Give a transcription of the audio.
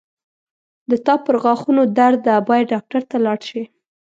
د تا پرغاښونو درد ده باید ډاکټر ته لاړ شې